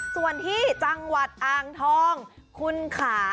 ส่วนที่จังหวัดอ่างทองคุณค่ะ